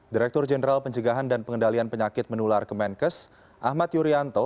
direktur jenderal pencegahan dan pengendalian penyakit menular kemenkes ahmad yuryanto